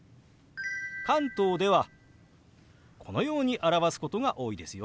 関東ではこのように表すことが多いですよ。